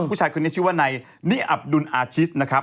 ผู้ชายคนนี้ชื่อว่านายนิอับดุลอาชิสนะครับ